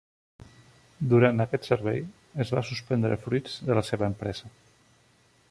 Durant aquest servei, es va suspendre Fruits de la seva empresa.